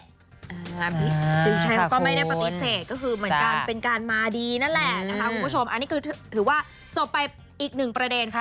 สีชูชัยก็ไม่ได้ปฏิเสธก็คือเป็นการมาดีนั่นแหละนะครับทุกผู้ชมอันนี้คือถือว่าสวมไปอีกหนึ่งประเด็น